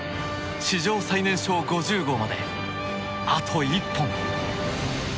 史上最年少５０号まであと１本。